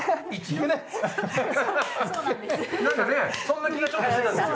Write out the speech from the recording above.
なんかねそんな気がちょっとしてたんですよ。